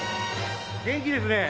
元気ですね。